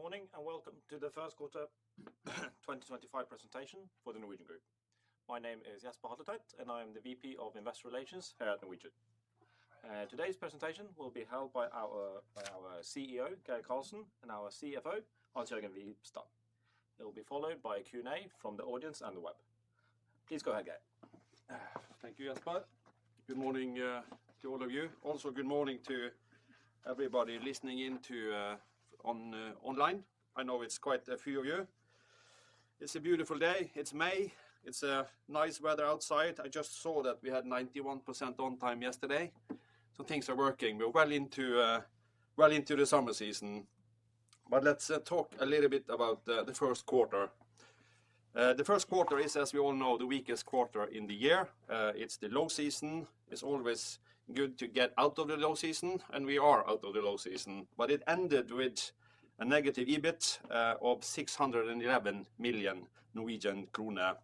Good morning and welcome to the first quarter 2025 presentation for the Norwegian Group. My name is Jesper Hatletveit, and I am the VP of Investor Relations here at Norwegian. Today's presentation will be held by our CEO, Geir Karlsen, and our CFO, Hans-Jørgen Wibstad. It will be followed by a Q&A from the audience and the web. Please go ahead, Geir. Thank you, Jesper. Good morning to all of you. Also, good morning to everybody listening in online. I know it's quite a few of you. It's a beautiful day. It's May. It's nice weather outside. I just saw that we had 91% on time yesterday, so things are working. We're well into the summer season. Let's talk a little bit about the first quarter. The first quarter is, as we all know, the weakest quarter in the year. It's the low season. It's always good to get out of the low season, and we are out of the low season. It ended with a negative EBIT of 611 million Norwegian krone.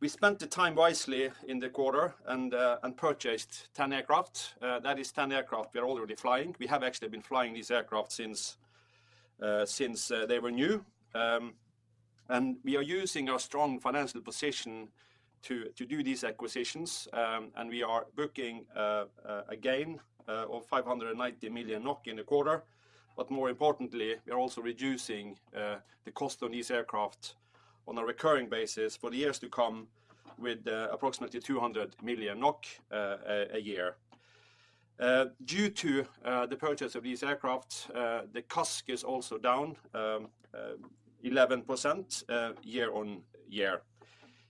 We spent the time wisely in the quarter and purchased 10 aircraft. That is, 10 aircraft we are already flying. We have actually been flying these aircraft since they were new. We are using our strong financial position to do these acquisitions. We are booking a gain of 590 million NOK in the quarter. More importantly, we are also reducing the cost of these aircraft on a recurring basis for the years to come with approximately 200 million NOK a year. Due to the purchase of these aircraft, the CASK is also down 11% year-on-year.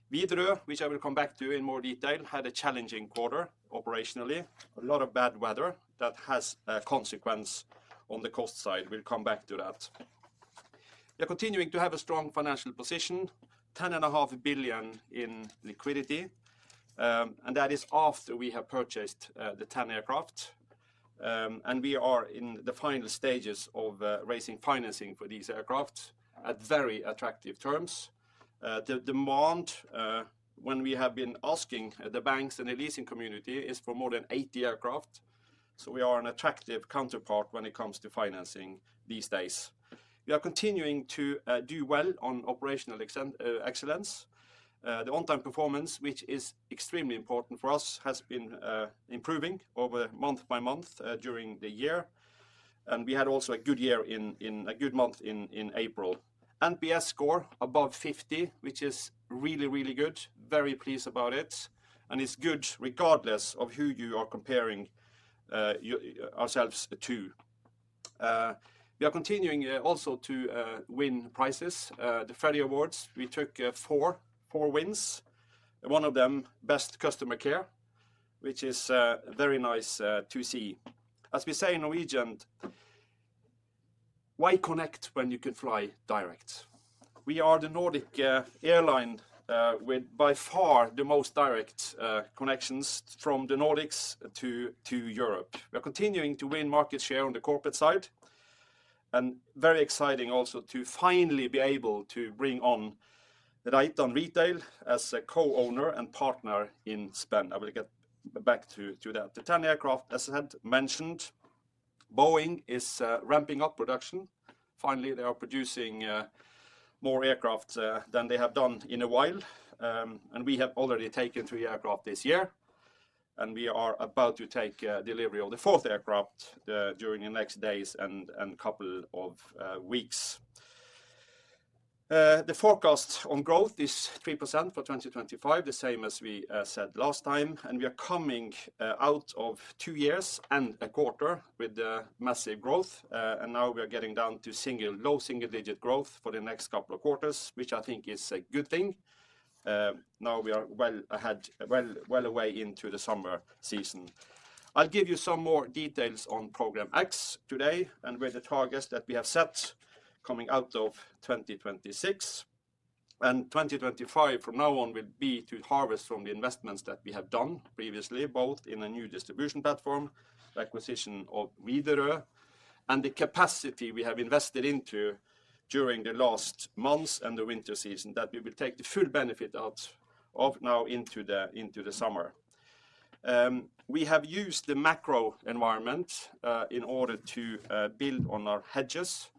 Viderø, which I will come back to in more detail, had a challenging quarter operationally. A lot of bad weather has a consequence on the cost side. We will come back to that. We are continuing to have a strong financial position, 10.5 billion in liquidity. That is after we have purchased the 10 aircraft. We are in the final stages of raising financing for these aircraft at very attractive terms. The demand, when we have been asking the banks and the leasing community, is for more than 80 aircraft. We are an attractive counterpart when it comes to financing these days. We are continuing to do well on operational excellence. The on-time performance, which is extremely important for us, has been improving month by month during the year. We had also a good year in a good month in April. NPS score above 50, which is really, really good. Very pleased about it. It is good regardless of who you are comparing ourselves to. We are continuing also to win prizes, the Freddy Awards. We took four wins, one of them best customer care, which is very nice to see. As we say in Norwegian, why connect when you can fly direct? We are the Nordic airline with by far the most direct connections from the Nordics to Europe. We are continuing to win market share on the corporate side. Very exciting also to finally be able to bring on Reitan Retail as a co-owner and partner in Spain. I will get back to that. The 10 aircraft, as I had mentioned, Boeing is ramping up production. Finally, they are producing more aircraft than they have done in a while. We have already taken three aircraft this year. We are about to take delivery of the fourth aircraft during the next days and a couple of weeks. The forecast on growth is 3% for 2025, the same as we said last time. We are coming out of two years and a quarter with massive growth. We are getting down to low single-digit growth for the next couple of quarters, which I think is a good thing. Now we are well away into the summer season. I'll give you some more details on Program X today and with the targets that we have set coming out of 2026. And 2025 from now on will be to harvest from the investments that we have done previously, both in a new distribution platform, the acquisition of Viderø, and the capacity we have invested into during the last months and the winter season that we will take the full benefit of now into the summer. We have used the macro environment in order to build on our hedges.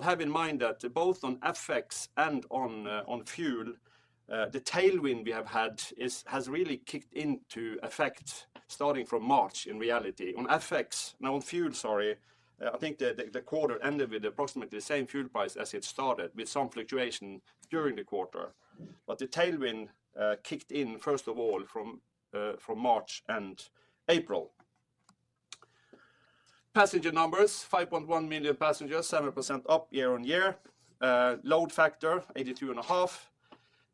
Have in mind that both on FX and on fuel, the tailwind we have had has really kicked into effect starting from March in reality. On FX, now on fuel, sorry, I think the quarter ended with approximately the same fuel price as it started with some fluctuation during the quarter. The tailwind kicked in first of all from March and April. Passenger numbers, 5.1 million passengers, 7% up year-on-year. Load factor, 82.5%.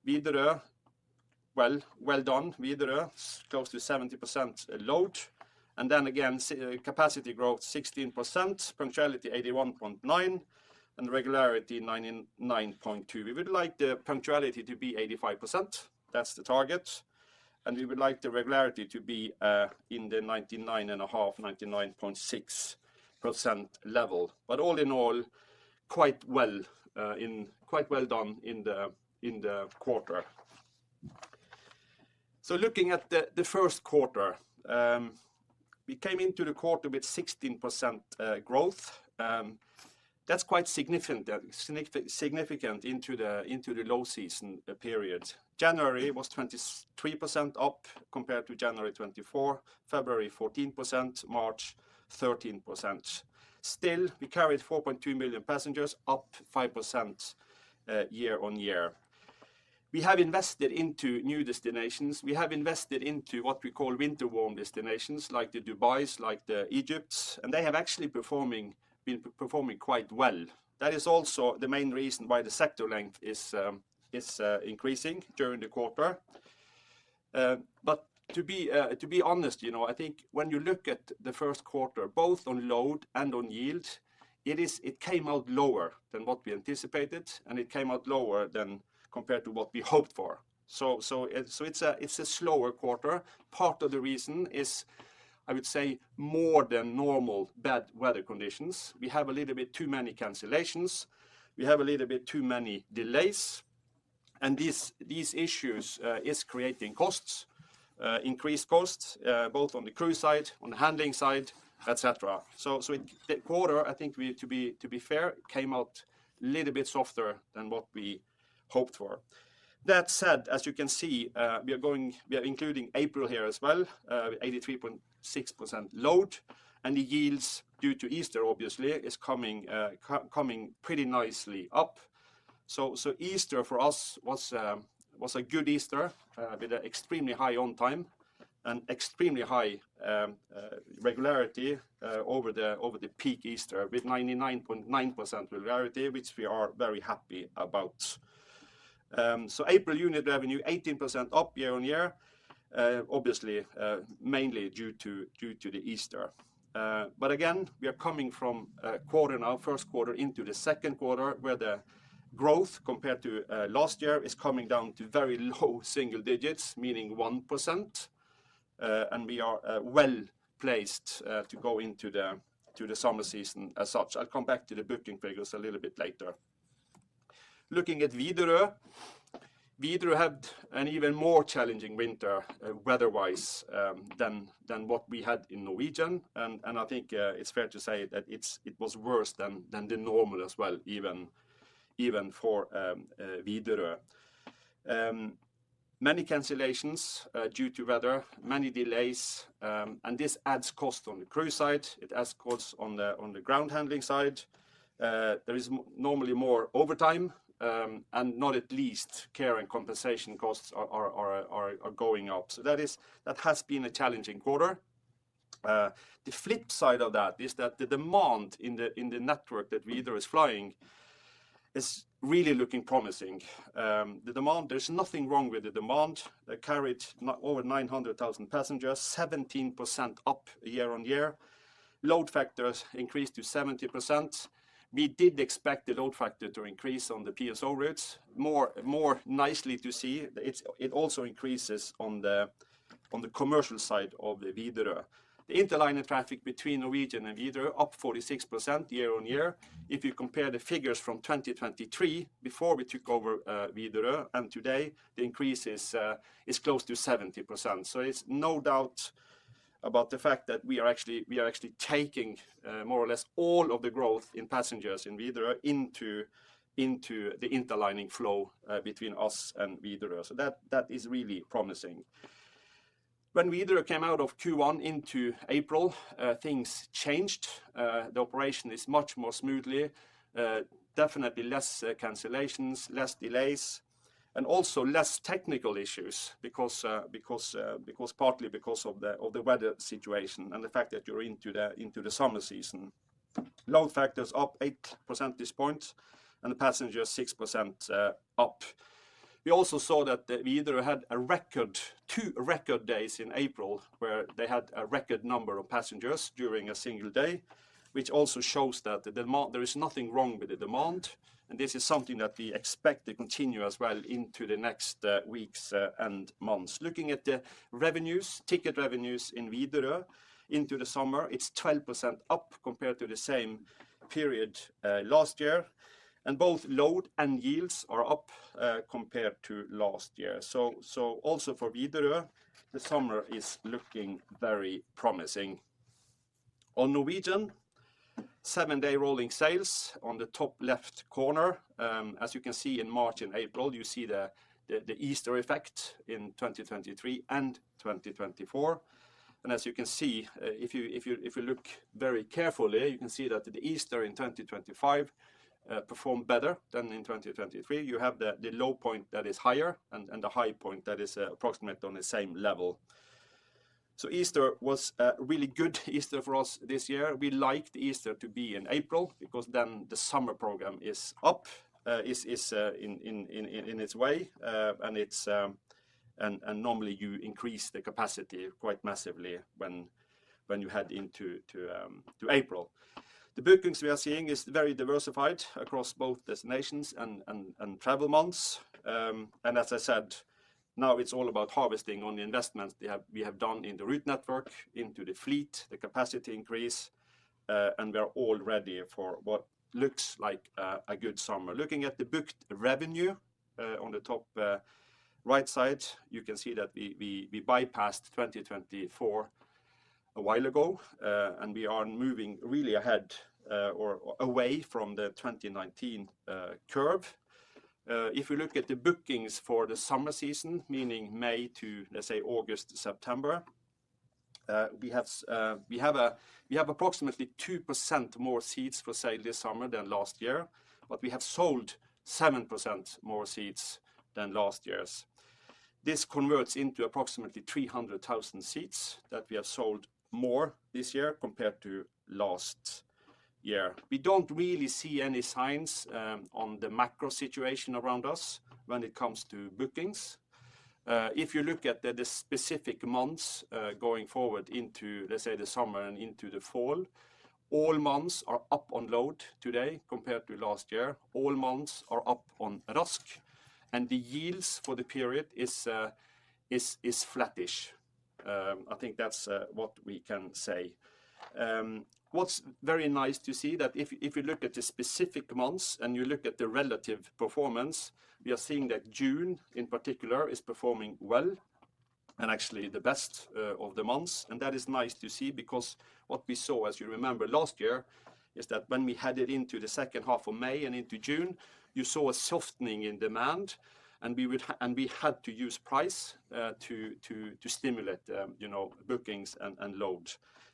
Viderø, well done. Viderø, close to 70% load. Capacity growth, 16%, punctuality 81.9%, and regularity 99.2%. We would like the punctuality to be 85%. That is the target. We would like the regularity to be in the 99.5-99.6% level. All in all, quite well done in the quarter. Looking at the first quarter, we came into the quarter with 16% growth. That is quite significant into the low season period. January was 23% up compared to January 2024, February 14%, March 13%. Still, we carried 4.2 million passengers, up 5% year-on-year. We have invested into new destinations. We have invested into what we call winter warm destinations like the Dubais, like the Egypts. They have actually been performing quite well. That is also the main reason why the sector length is increasing during the quarter. To be honest, you know, I think when you look at the first quarter, both on load and on yield, it came out lower than what we anticipated. It came out lower than compared to what we hoped for. It is a slower quarter. Part of the reason is, I would say, more than normal bad weather conditions. We have a little bit too many cancellations. We have a little bit too many delays. These issues are creating costs, increased costs, both on the crew side, on the handling side, etcetera The quarter, I think, to be fair, came out a little bit softer than what we hoped for. That said, as you can see, we are including April here as well, 83.6% load. The yields due to Easter, obviously, are coming pretty nicely up. Easter for us was a good Easter with an extremely high on time and extremely high regularity over the peak Easter with 99.9% regularity, which we are very happy about. April unit revenue, 18% up year-on-year, obviously mainly due to the Easter. Again, we are coming from our first quarter into the second quarter where the growth compared to last year is coming down to very low single-digits, meaning 1%. We are well placed to go into the summer season as such. I'll come back to the booking figures a little bit later. Looking at Widerøe, Widerøe had an even more challenging winter weather-wise than what we had in Norwegian. I think it's fair to say that it was worse than the normal as well, even for Widerøe. Many cancellations due to weather, many delays. This adds cost on the crew side. It adds cost on the ground handling side. There is normally more overtime. Not at least, care and compensation costs are going up. That has been a challenging quarter. The flip side of that is that the demand in the network that Widerøe is flying is really looking promising. There's nothing wrong with the demand. They carried over 900,000 passengers, 17% up year-on-year. Load factors increased to 70%. We did expect the load factor to increase on the PSO routes. More nicely to see, it also increases on the commercial side of the Widerøe. The interlinear traffic between Norwegian and Viderø, up 46% year-on-year. If you compare the figures from 2023, before we took over Viderø and today, the increase is close to 70%. There is no doubt about the fact that we are actually taking more or less all of the growth in passengers in Viderø into the interlining flow between us and Viderø. That is really promising. When Viderø came out of Q1 into April, things changed. The operation is much more smoothly. Definitely less cancellations, less delays, and also less technical issues partly because of the weather situation and the fact that you are into the summer season. Load factors up 8% this point and the passengers 6% up. We also saw that Widerøe had two record days in April where they had a record number of passengers during a single day, which also shows that there is nothing wrong with the demand. This is something that we expect to continue as well into the next weeks and months. Looking at the revenues, ticket revenues in Widerøe into the summer, it is 12% up compared to the same period last year. Both load and yields are up compared to last year. Also for Widerøe, the summer is looking very promising. On Norwegian, seven-day rolling sales on the top left corner. As you can see in March and April, you see the Easter effect in 2023 and 2024. If you look very carefully, you can see that the Easter in 2024 performed better than in 2023. You have the low point that is higher and the high point that is approximately on the same level. Easter was a really good Easter for us this year. We like Easter to be in April because then the summer program is up, is in its way. Normally you increase the capacity quite massively when you head into April. The bookings we are seeing are very diversified across both destinations and travel months. As I said, now it is all about harvesting on the investments we have done in the route network into the fleet, the capacity increase. We are all ready for what looks like a good summer. Looking at the booked revenue on the top right side, you can see that we bypassed 2024 a while ago. We are moving really ahead or away from the 2019 curve. If we look at the bookings for the summer season, meaning May to, let's say, August, September, we have approximately 2% more seats for sale this summer than last year. We have sold 7% more seats than last year. This converts into approximately 300,000 seats that we have sold more this year compared to last year. We do not really see any signs on the macro situation around us when it comes to bookings. If you look at the specific months going forward into, let's say, the summer and into the fall, all months are up on load today compared to last year. All months are up on RASK. The yields for the period is flattish. I think that's what we can say. What's very nice to see is that if you look at the specific months and you look at the relative performance, we are seeing that June in particular is performing well and actually the best of the months. That is nice to see because what we saw, as you remember last year, is that when we headed into the second half of May and into June, you saw a softening in demand. We had to use price to stimulate bookings and load.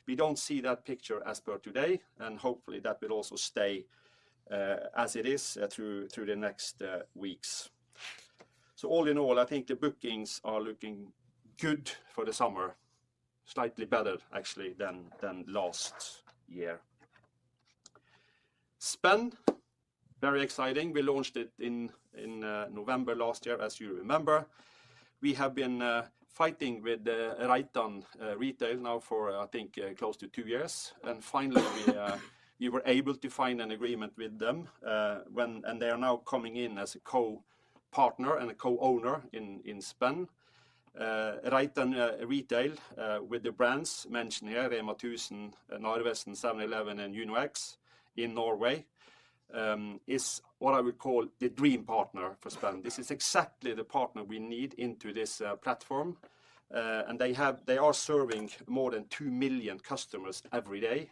We do not see that picture as per today. Hopefully that will also stay as it is through the next weeks. All in all, I think the bookings are looking good for the summer, slightly better actually than last year. Spain, very exciting. We launched it in November last year, as you remember. We have been fighting with Reitan Retail now for, I think, close to two years. Finally, we were able to find an agreement with them. They are now coming in as a co-partner and a co-owner in Spain. Reitan Retail, with the brands mentioned here, Rema 1000, Narvesen, 7-Eleven, and Uno-X in Norway, is what I would call the dream partner for Spain. This is exactly the partner we need into this platform. They are serving more than 2 million customers every day.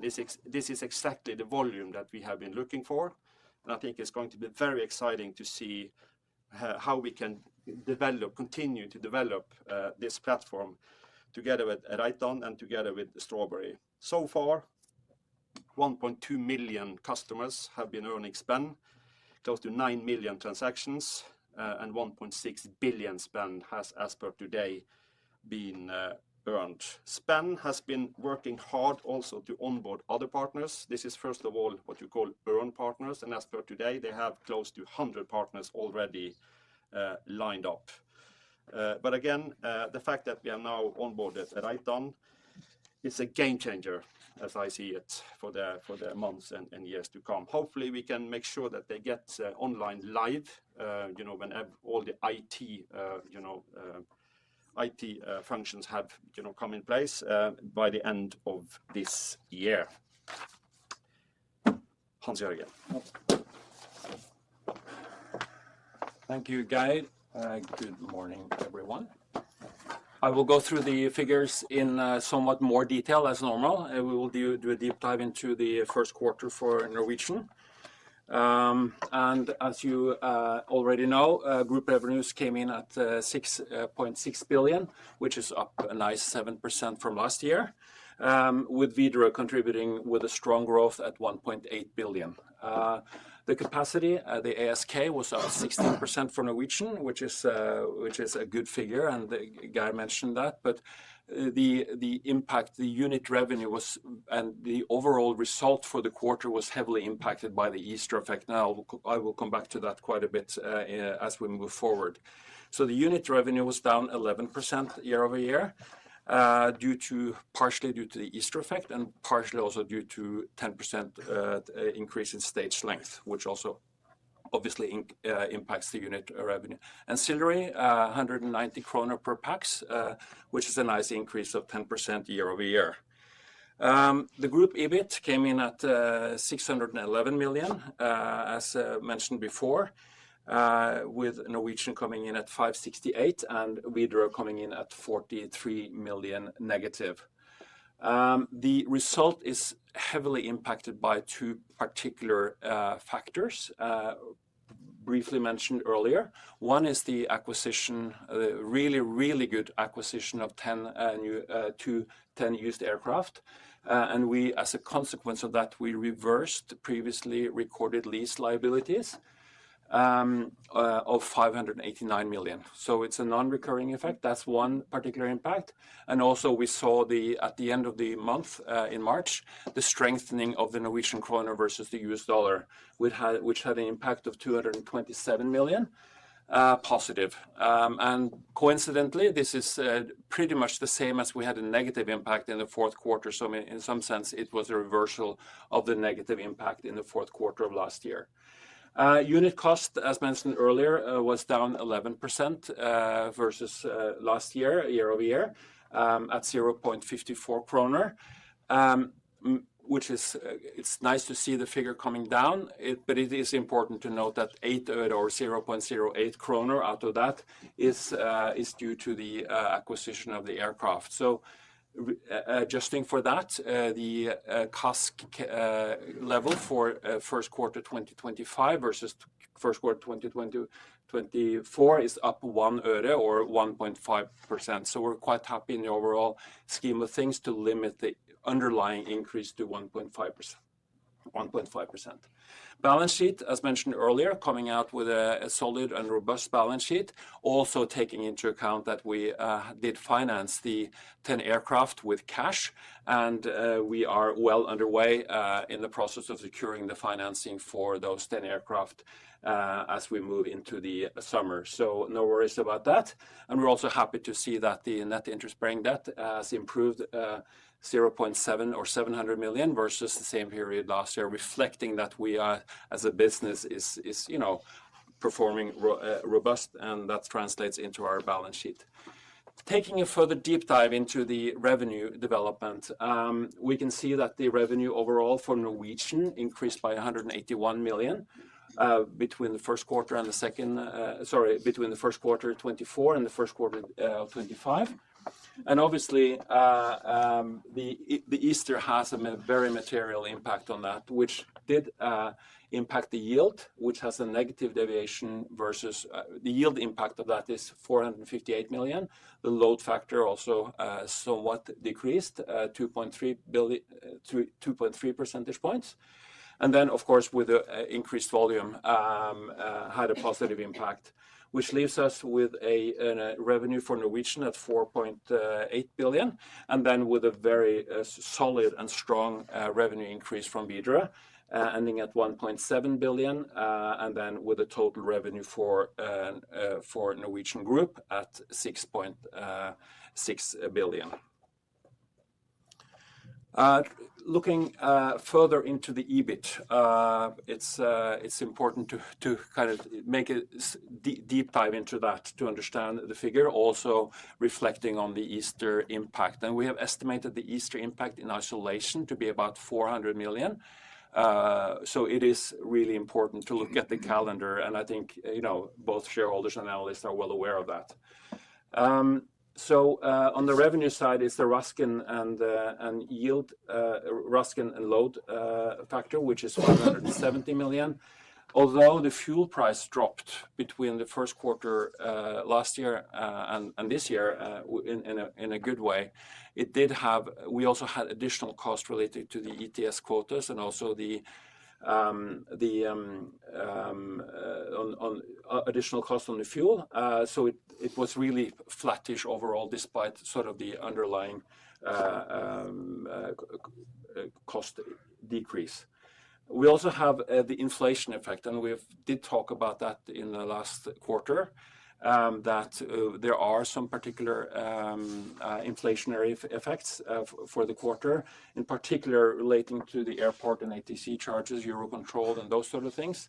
This is exactly the volume that we have been looking for. I think it is going to be very exciting to see how we can continue to develop this platform together with Reitan and together with Strawberry. So far, 1.2 million customers have been earning Spar, close to 9 million transactions. 1.6 billion Spar has as per today been earned. Spain has been working hard also to onboard other partners. This is first of all what you call earned partners. As per today, they have close to 100 partners already lined up. The fact that we have now onboarded Reitan is a game changer, as I see it, for the months and years to come. Hopefully, we can make sure that they get online live when all the IT functions have come in place by the end of this year. Hans-Jørgen. Thank you, Geir. Good morning, everyone. I will go through the figures in somewhat more detail as normal. We will do a deep dive into the first quarter for Norwegian. As you already know, group revenues came in at 6.6 billion, which is up a nice 7% from last year, with Viderø contributing with a strong growth at 1.8 billion. The capacity, the ASK was up 16% for Norwegian, which is a good figure. Geir mentioned that. The impact, the unit revenue and the overall result for the quarter was heavily impacted by the Easter effect. I will come back to that quite a bit as we move forward. The unit revenue was down 11% year-over-year partially due to the Easter effect and partially also due to a 10% increase in stage length, which also obviously impacts the unit revenue. Ancillary, 190 kroner per pax, which is a nice increase of 10% year-over-year. The group EBIT came in at 611 million, as mentioned before, with Norwegian coming in at 568 million and Viderø coming in at 43 million negative. The result is heavily impacted by two particular factors briefly mentioned earlier. One is the acquisition, the really, really good acquisition of two 10-used aircraft. As a consequence of that, we reversed previously recorded lease liabilities of 589 million. It is a non-recurring effect. That is one particular impact. Also, we saw at the end of the month in March, the strengthening of the Norwegian kroner versus the US dollar, which had an impact of 227 million positive. Coincidentally, this is pretty much the same as we had a negative impact in the fourth quarter. In some sense, it was a reversal of the negative impact in the fourth quarter of last year. Unit cost, as mentioned earlier, was down 11% versus last year year-over-year at 0.54 kroner, which is nice to see the figure coming down. It is important to note that 0.08 kroner out of that is due to the acquisition of the aircraft. Adjusting for that, the cost level for first quarter 2025 versus first quarter 2024 is up 1 euro or 1.5%. We are quite happy in the overall scheme of things to limit the underlying increase to 1.5%. Balance sheet, as mentioned earlier, coming out with a solid and robust balance sheet, also taking into account that we did finance the 10 aircraft with cash. We are well underway in the process of securing the financing for those 10 aircraft as we move into the summer. No worries about that. We are also happy to see that the net interest bearing debt has improved 0.7 billion or 700 million versus the same period last year, reflecting that we as a business are performing robustly. That translates into our balance sheet. Taking a further deep dive into the revenue development, we can see that the revenue overall for Norwegian increased by 181 million between the first quarter and the second, sorry, between the first quarter 2024 and the first quarter 2025. Obviously, Easter has a very material impact on that, which did impact the yield, which has a negative deviation versus the yield impact of that is 458 million. The load factor also somewhat decreased 2.3 percentage points. Of course, with the increased volume, had a positive impact, which leaves us with a revenue for Norwegian at 4.8 billion. With a very solid and strong revenue increase from Widerøe, ending at 1.7 billion. With a total revenue for Norwegian Group at 6.6 billion. Looking further into the EBIT, it's important to kind of make a deep dive into that to understand the figure, also reflecting on the Easter impact. We have estimated the Easter impact in isolation to be about 400 million. It is really important to look at the calendar. I think both shareholders and analysts are well aware of that. On the revenue side is the RASK and yield, RASK and load factor, which is 170 million. Although the fuel price dropped between the first quarter last year and this year in a good way, we also had additional costs related to the ETS quotas and also the additional cost on the fuel. It was really flattish overall despite sort of the underlying cost decrease. We also have the inflation effect. We did talk about that in the last quarter, that there are some particular inflationary effects for the quarter, in particular relating to the airport and ATC charges, Euro Control, and those sort of things.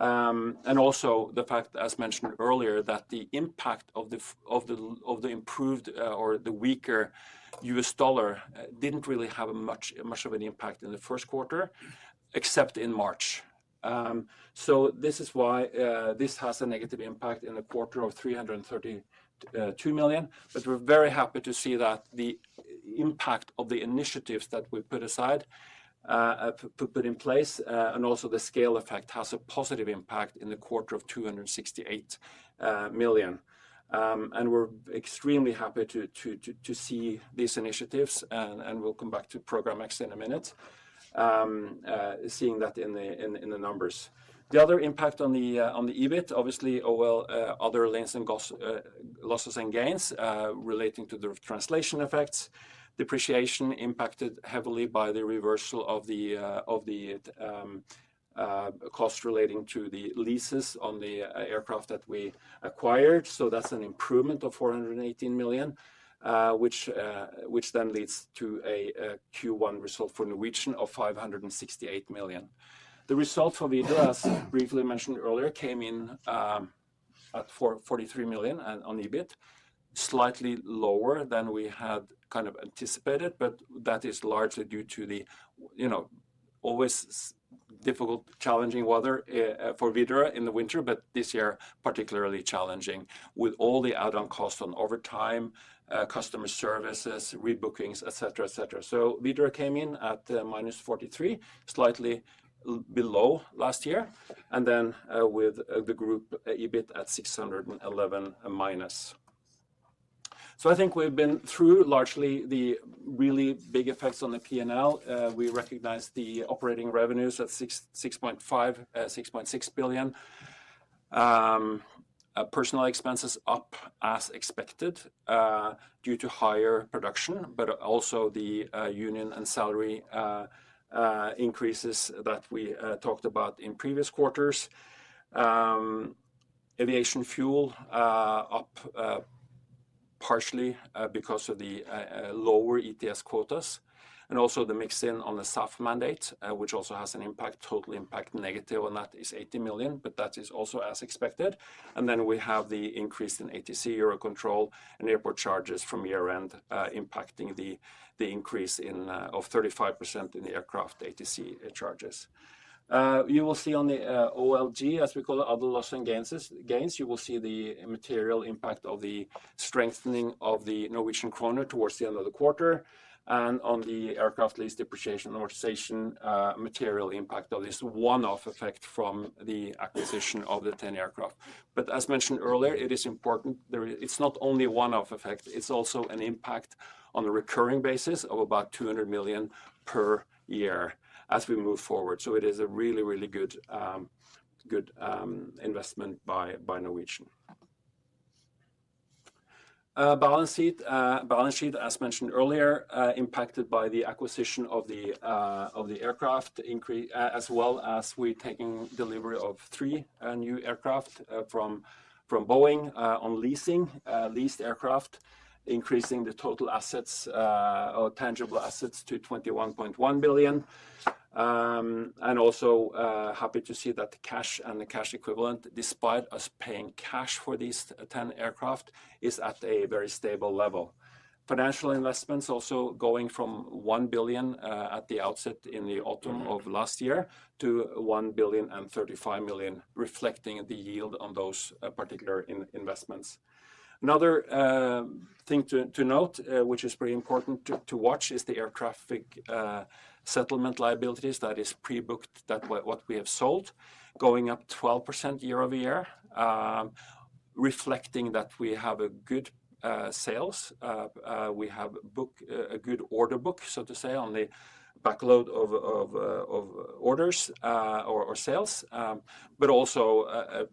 Also, the fact, as mentioned earlier, that the impact of the improved or the weaker US dollar did not really have much of an impact in the first quarter, except in March. This is why this has a negative impact in the quarter of 332 million. We are very happy to see that the impact of the initiatives that we put in place and also the scale effect has a positive impact in the quarter of 268 million. We are extremely happy to see these initiatives. We will come back to Program X in a minute, seeing that in the numbers. The other impact on the EBIT, obviously, other lens and losses and gains relating to the translation effects, depreciation impacted heavily by the reversal of the cost relating to the leases on the aircraft that we acquired. That is an improvement of 418 million, which then leads to a Q1 result for Norwegian of 568 million. The result for Viderø, as briefly mentioned earlier, came in at 43 million on EBIT, slightly lower than we had kind of anticipated. That is largely due to the always difficult, challenging weather for Viderø in the winter, this year particularly challenging with all the add-on costs on overtime, customer services, rebookings, et cetera., et cetera. Viderø came in at -43 million, slightly below last year. With the group EBIT at -611 million. I think we have been through largely the really big effects on the P&L. We recognize the operating revenues at 6.5-6.6 billion. Personnel expenses up as expected due to higher production, but also the union and salary increases that we talked about in previous quarters. Aviation fuel up partially because of the lower ETS quotas. Also, the mix-in on the SAF mandate, which also has an impact, total impact negative on that is 80 million, but that is also as expected. We have the increase in ATC, Euro Control, and airport charges from year-end impacting the increase of 35% in the aircraft ATC charges. You will see on the OLG, as we call it, other loss and gains. You will see the material impact of the strengthening of the Norwegian kroner towards the end of the quarter. On the aircraft lease depreciation authorization, material impact of this one-off effect from the acquisition of the 10 aircraft. As mentioned earlier, it is important. It's not only a one-off effect. It's also an impact on a recurring basis of about 200 million per year as we move forward. It is a really, really good investment by Norwegian. Balance sheet, as mentioned earlier, impacted by the acquisition of the aircraft, as well as we taking delivery of three new aircraft from Boeing on leasing, leased aircraft, increasing the total assets or tangible assets to 21.1 billion. Also happy to see that the cash and the cash equivalent, despite us paying cash for these 10 aircraft, is at a very stable level. Financial investments also going from 1 billion at the outset in the autumn of last year to 1.035 billion, reflecting the yield on those particular investments. Another thing to note, which is pretty important to watch, is the air traffic settlement liabilities that is pre-booked, that what we have sold, going up 12% year-over-year, reflecting that we have good sales. We have a good order book, so to say, on the backload of orders or sales, but also a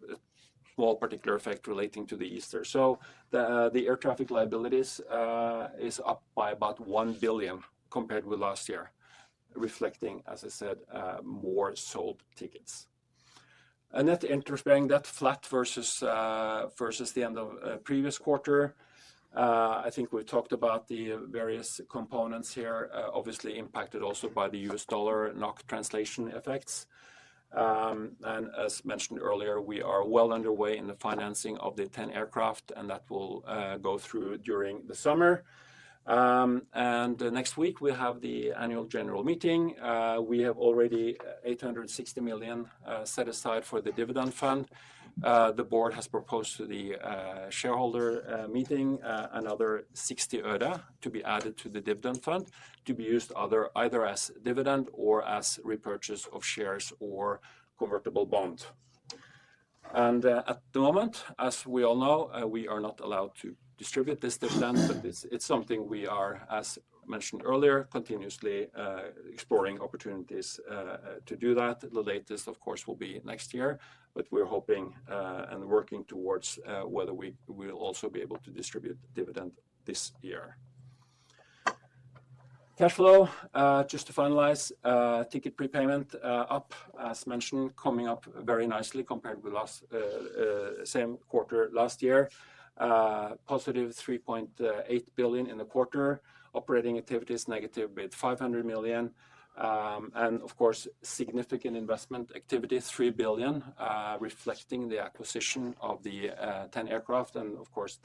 small particular effect relating to the Easter. The air traffic liabilities is up by about 1 billion compared with last year, reflecting, as I said, more sold tickets. That interest bearing debt flat versus the end of previous quarter. I think we talked about the various components here, obviously impacted also by the U.S. dollar-NOK translation effects. As mentioned earlier, we are well underway in the financing of the 10 aircraft, and that will go through during the summer. Next week, we have the annual general meeting. We have already 860 million set aside for the dividend fund. The board has proposed to the shareholder meeting another 60 million to be added to the dividend fund to be used either as dividend or as repurchase of shares or convertible bonds. At the moment, as we all know, we are not allowed to distribute this dividend, but it is something we are, as mentioned earlier, continuously exploring opportunities to do that. The latest, of course, will be next year, but we are hoping and working towards whether we will also be able to distribute dividend this year. Cash flow, just to finalize, ticket prepayment up, as mentioned, coming up very nicely compared with last same quarter last year. +3.8 billion in the quarter. Operating activities negative with 500 million. Of course, significant investment activity, 3 billion, reflecting the acquisition of the 10 aircraft. Of course,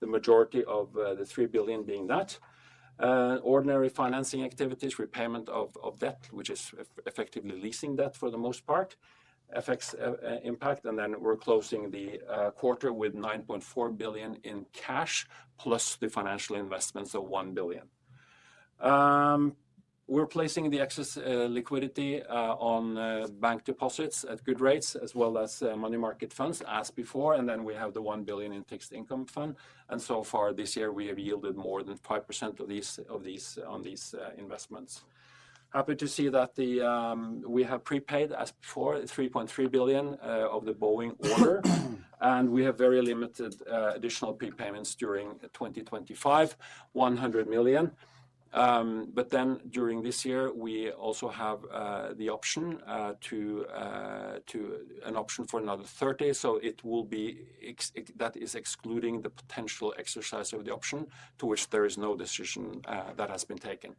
the majority of the 3 billion being that. Ordinary financing activities, repayment of debt, which is effectively leasing debt for the most part, effects impact. We are closing the quarter with 9.4 billion in cash plus the financial investments of 1 billion. We are placing the excess liquidity on bank deposits at good rates, as well as money market funds as before. We have the 1 billion in fixed income fund. So far this year, we have yielded more than 5% on these investments. Happy to see that we have prepaid, as before, 3.3 billion of the Boeing order. We have very limited additional prepayments during 2025, 100 million. During this year, we also have the option to an option for another 30 million. It will be that is excluding the potential exercise of the option to which there is no decision that has been taken.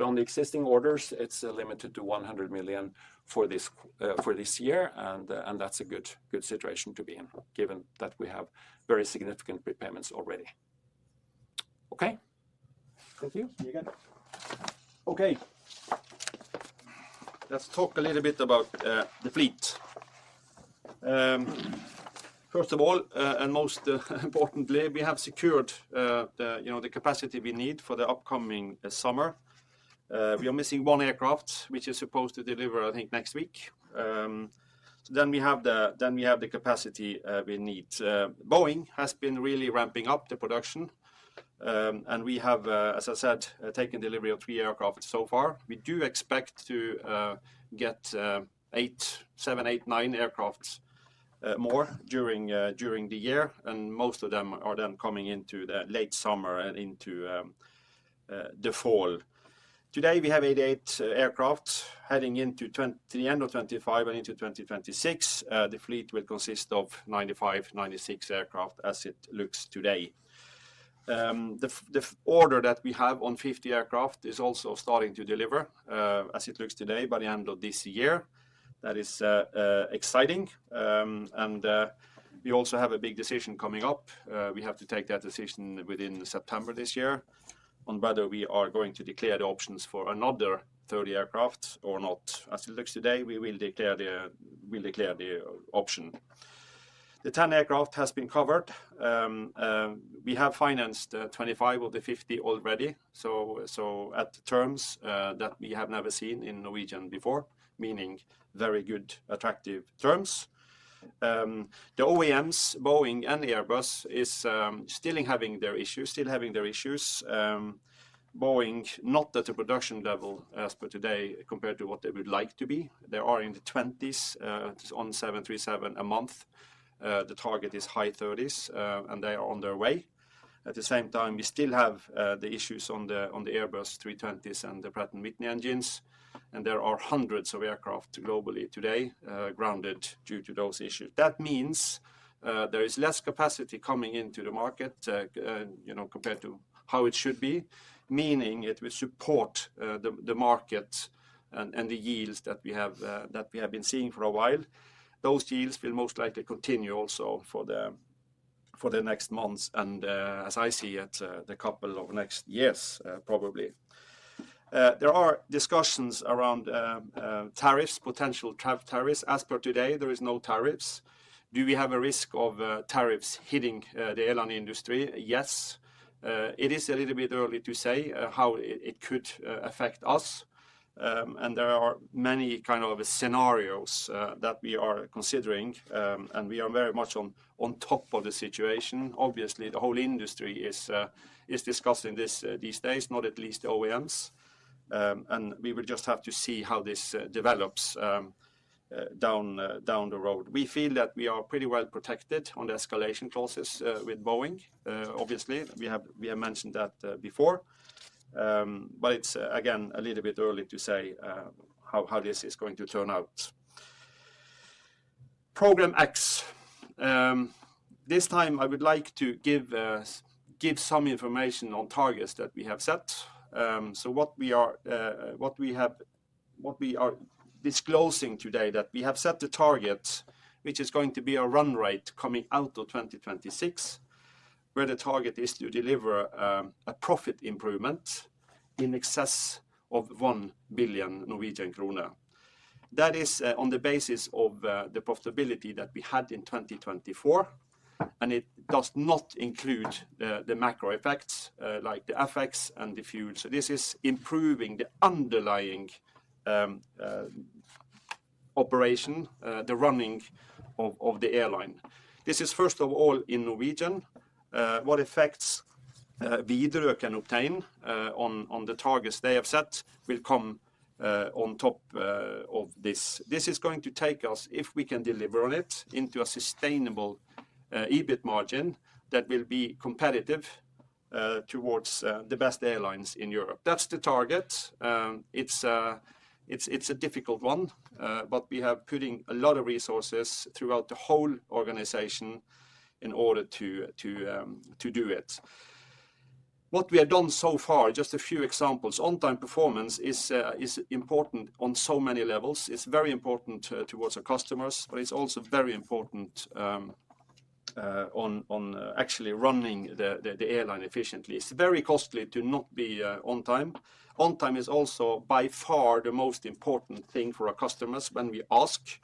On the existing orders, it is limited to 100 million for this year. That is a good situation to be in, given that we have very significant prepayments already. Okay. Thank you. Okay. Let's talk a little bit about the fleet. First of all, and most importantly, we have secured the capacity we need for the upcoming summer. We are missing one aircraft, which is supposed to deliver, I think, next week. Then we have the capacity we need. Boeing has been really ramping up the production. We have, as I said, taken delivery of three aircraft so far. We do expect to get 8, 7, 8, 9 aircraft more during the year. Most of them are then coming into the late summer and into the fall. Today, we have 88 aircraft heading into the end of 2025 and into 2026. The fleet will consist of 95-96 aircraft as it looks today. The order that we have on 50 aircraft is also starting to deliver as it looks today by the end of this year. That is exciting. We also have a big decision coming up. We have to take that decision within September this year on whether we are going to declare the options for another 30 aircraft or not. As it looks today, we will declare the option. The 10 aircraft has been covered. We have financed 25 of the 50 already at terms that we have never seen in Norwegian before, meaning very good, attractive terms. The OEMs, Boeing and Airbus, are still having their issues. Boeing, not at a production level as per today compared to what they would like to be. They are in the 20s on 737 a month. The target is high 30s, and they are on their way. At the same time, we still have the issues on the Airbus 320s and the Pratt & Whitney engines. There are hundreds of aircraft globally today grounded due to those issues. That means there is less capacity coming into the market compared to how it should be, meaning it will support the market and the yields that we have been seeing for a while. Those yields will most likely continue also for the next months and, as I see it, the couple of next years probably. There are discussions around tariffs, potential tariffs. As per today, there is no tariffs. Do we have a risk of tariffs hitting the airline industry? Yes. It is a little bit early to say how it could affect us. There are many kind of scenarios that we are considering. We are very much on top of the situation. Obviously, the whole industry is discussing these days, not at least the OEMs. We will just have to see how this develops down the road. We feel that we are pretty well protected on the escalation clauses with Boeing. Obviously, we have mentioned that before. It is, again, a little bit early to say how this is going to turn out. Program X. This time, I would like to give some information on targets that we have set. What we have disclosing today is that we have set the target, which is going to be a run rate coming out of 2026, where the target is to deliver a profit improvement in excess of 1 billion Norwegian kroner. That is on the basis of the profitability that we had in 2024. It does not include the macro effects like the FX and the fuel. This is improving the underlying operation, the running of the airline. This is first of all in Norwegian. What effects Viderø can obtain on the targets they have set will come on top of this. This is going to take us, if we can deliver on it, into a sustainable EBIT margin that will be competitive towards the best airlines in Europe. That is the target. It's a difficult one, but we have put in a lot of resources throughout the whole organization in order to do it. What we have done so far, just a few examples, on-time performance is important on so many levels. It's very important towards our customers, but it's also very important on actually running the airline efficiently. It's very costly to not be on time. On-time is also by far the most important thing for our customers when we ask,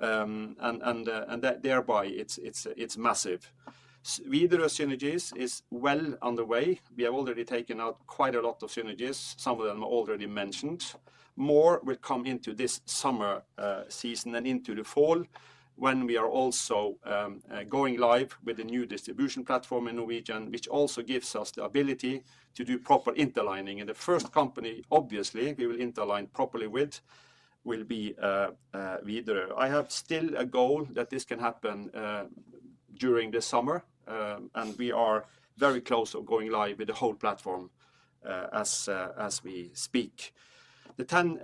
and thereby it's massive. Viderøe synergies is well underway. We have already taken out quite a lot of synergies. Some of them are already mentioned. More will come into this summer season and into the fall when we are also going live with a new distribution platform in Norwegian, which also gives us the ability to do proper interlining. The first company, obviously, we will interline properly with will be Widerøe. I have still a goal that this can happen during the summer. We are very close to going live with the whole platform as we speak. The 10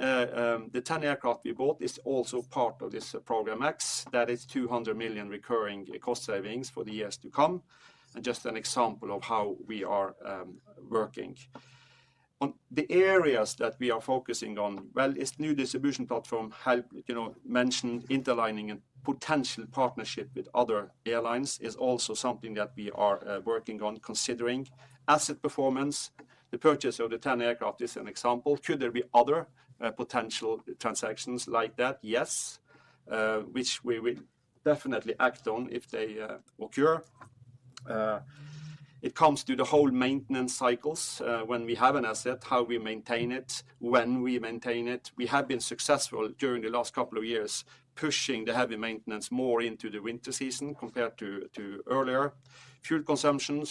aircraft we bought is also part of this Program X. That is 200 million recurring cost savings for the years to come. Just an example of how we are working. The areas that we are focusing on, this new distribution platform, mentioned interlining and potential partnership with other airlines, is also something that we are working on considering. Asset performance, the purchase of the 10 aircraft is an example. Could there be other potential transactions like that? Yes, which we will definitely act on if they occur. It comes to the whole maintenance cycles when we have an asset, how we maintain it, when we maintain it. We have been successful during the last couple of years pushing the heavy maintenance more into the winter season compared to earlier. Fuel consumption,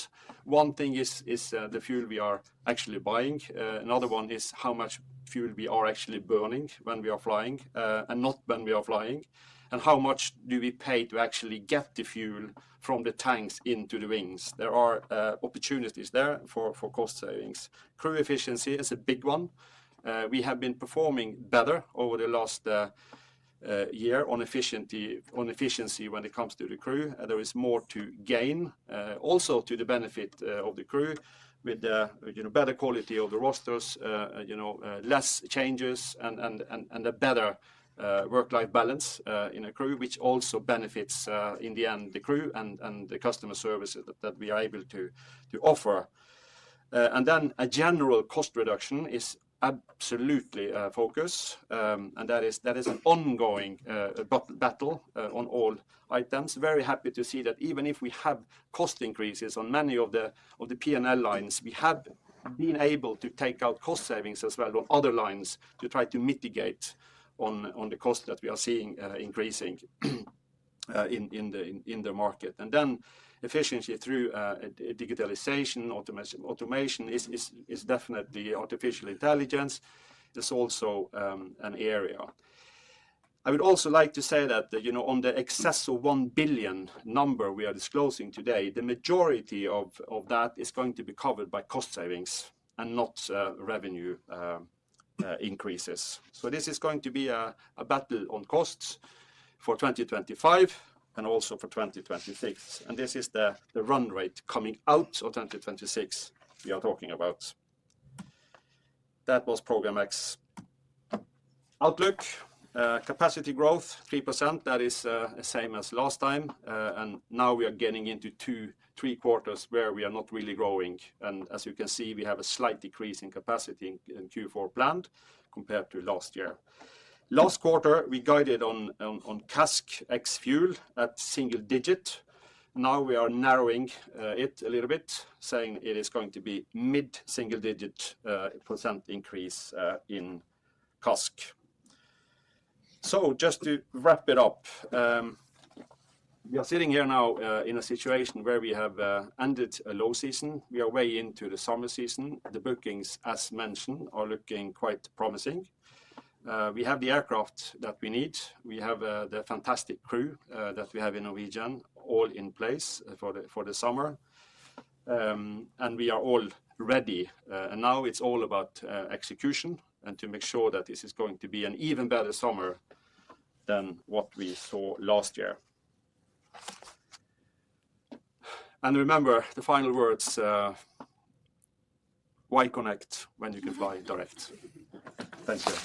one thing is the fuel we are actually buying. Another one is how much fuel we are actually burning when we are flying and not when we are flying. And how much do we pay to actually get the fuel from the tanks into the wings? There are opportunities there for cost savings. Crew efficiency is a big one. We have been performing better over the last year on efficiency when it comes to the crew. There is more to gain also to the benefit of the crew with better quality of the rosters, less changes, and a better work-life balance in a crew, which also benefits in the end the crew and the customer service that we are able to offer. A general cost reduction is absolutely a focus. That is an ongoing battle on all items. Very happy to see that even if we have cost increases on many of the P&L lines, we have been able to take out cost savings as well on other lines to try to mitigate on the cost that we are seeing increasing in the market. Efficiency through digitalization, automation is definitely artificial intelligence. There is also an area. I would also like to say that on the excess of 1 billion number we are disclosing today, the majority of that is going to be covered by cost savings and not revenue increases. This is going to be a battle on costs for 2025 and also for 2026. This is the run rate coming out of 2026 we are talking about. That was Program X. Outlook, capacity growth 3%. That is the same as last time. Now we are getting into three quarters where we are not really growing. As you can see, we have a slight decrease in capacity in Q4 planned compared to last year. Last quarter, we guided on CASK ex fuel at single-digit. Now we are narrowing it a little bit, saying it is going to be mid single-digit % increase in CASK. Just to wrap it up, we are sitting here now in a situation where we have ended a low season. We are way into the summer season. The bookings, as mentioned, are looking quite promising. We have the aircraft that we need. We have the fantastic crew that we have in Norwegian all in place for the summer. We are all ready. Now it is all about execution and to make sure that this is going to be an even better summer than what we saw last year. Remember the final words, why connect when you can fly direct? Thank you.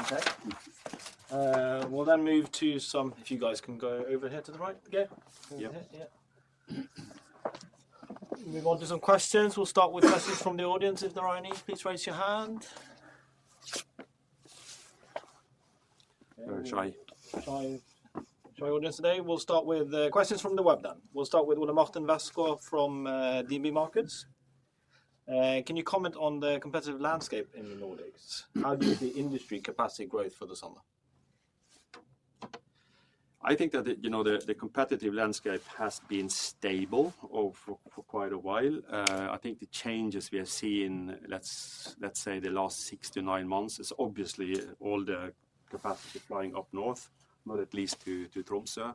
Okay. We will then move to some, if you guys can go over here to the right again. Yeah. We will move on to some questions. We will start with questions from the audience. If there are any, please raise your hand. Very shy. Shy audience today. We'll start with questions from the web then. We'll start with Willem-Arthen Vasco from DB Markets. Can you comment on the competitive landscape in the Nordics? How do you see industry capacity growth for the summer? I think that the competitive landscape has been stable for quite a while. I think the changes we have seen, let's say the last six to nine months, is obviously all the capacity flying up north, but at least to Tromsø.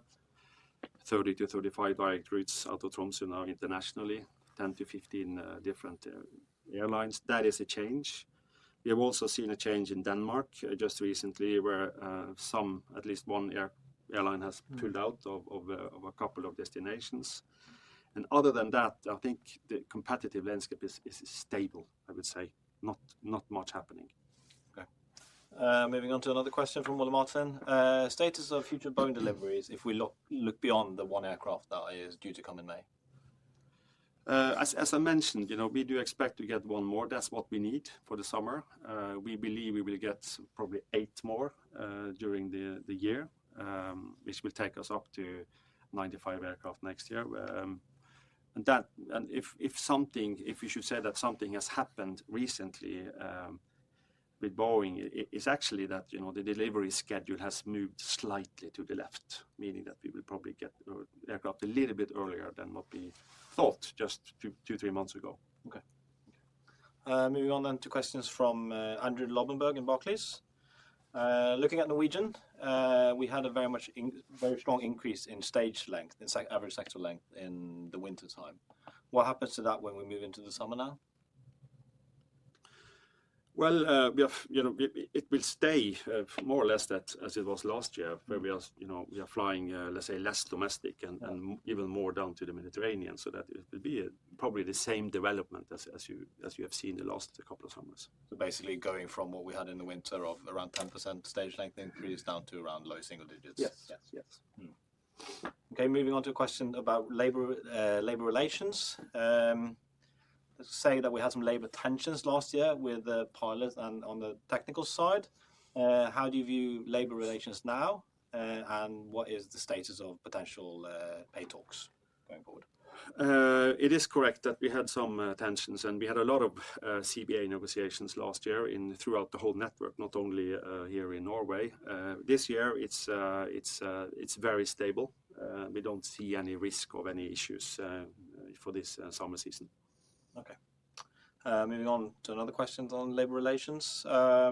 30-35 direct routes out of Tromsø now internationally, 10-15 different airlines. That is a change. We have also seen a change in Denmark just recently where some, at least one airline has pulled out of a couple of destinations. Other than that, I think the competitive landscape is stable, I would say. Not much happening. Okay. Moving on to another question from Willem-Arthen. Status of future Boeing deliveries if we look beyond the one aircraft that is due to come in May? As I mentioned, we do expect to get one more. That is what we need for the summer. We believe we will get probably eight more during the year, which will take us up to 95 aircraft next year. If we should say that something has happened recently with Boeing, it is actually that the delivery schedule has moved slightly to the left, meaning that we will probably get aircraft a little bit earlier than what we thought just two, three months ago. Okay. Moving on then to questions from Andrew Lobenberg in Barclays. Looking at Norwegian, we had a very strong increase in stage length, in average sector length in the wintertime. What happens to that when we move into the summer now? It will stay more or less as it was last year, where we are flying, let's say, less domestic and even more down to the Mediterranean. That will be probably the same development as you have seen the last couple of summers. Basically going from what we had in the winter of around 10% stage length increase down to around low single- digits. Yes. Yes. Moving on to a question about labor relations. Let's say that we had some labor tensions last year with the pilot and on the technical side. How do you view labor relations now? What is the status of potential pay talks going forward? It is correct that we had some tensions. We had a lot of CBA negotiations last year throughout the whole network, not only here in Norway. This year, it's very stable. We don't see any risk of any issues for this summer season. Okay. Moving on to another question on labor relations. There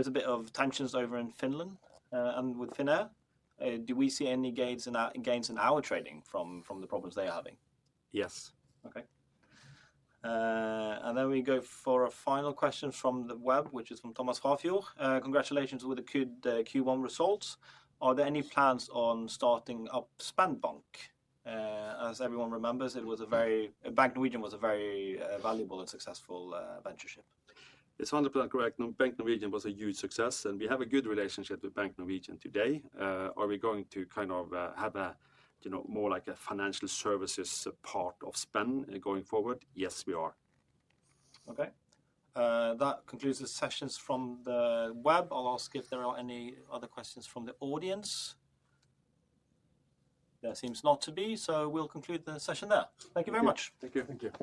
is a bit of tensions over in Finland and with Finnair. Do we see any gains in our trading from the problems they are having? Yes. Okay. And then we go for a final question from the web, which is from Thomas Harfield. Congratulations with the Q1 results. Are there any plans on starting up Spennbank? As everyone remembers, Bank Norwegian was a very valuable and successful venture ship. It's 100% correct. Bank Norwegian was a huge success. And we have a good relationship with Bank Norwegian today. Are we going to kind of have more like a financial services part of Spenn going forward? Yes, we are. Okay. That concludes the sessions from the web. I'll ask if there are any other questions from the audience. There seems not to be. We'll conclude the session there. Thank you very much. Thank you. Thank you.